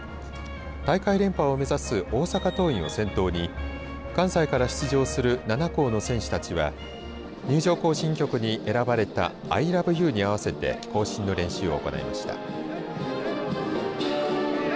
大会連覇を目指す大阪桐蔭を先頭に関西から出場する７校の選手たちは入場行進曲に選ばれたアイラブユーに合わせて行進の練習を行いました。